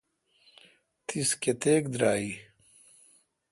تیس کتیک درائ،؟